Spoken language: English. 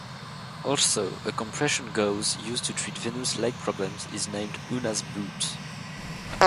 Also, a compression gauze used to treat venous leg problems is named Unna's boot.